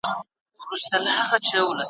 مخالف د پیشرفتو یم